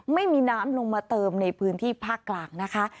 ไม่มีน้ำลงมาเติมในพื้นที่ภาคกลางนะคะ